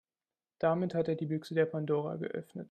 Damit hat er die Büchse der Pandora geöffnet.